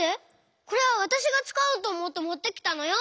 これはわたしがつかおうとおもってもってきたのよ！